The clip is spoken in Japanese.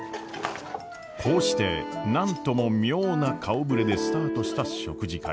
こうして何とも妙な顔ぶれでスタートした食事会。